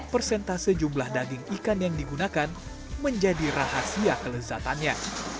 persentase jumlah daging ikan yang digunakan menjadi rahasia kelezatannya